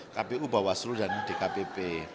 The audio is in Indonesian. kpu bawaslu dan bukit jawa